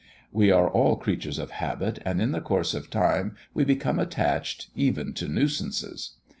We are all creatures of habit; and in the course of time we become attached, even to nuisances.